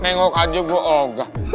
nengok aja gue oh enggak